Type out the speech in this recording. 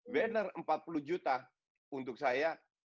banner empat puluh juta untuk saya